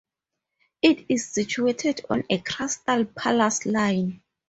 It is situated on the Crystal Palace Line.